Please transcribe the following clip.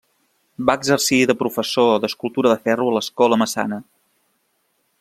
Va exercir de professor d'escultura de ferro a l'Escola Massana.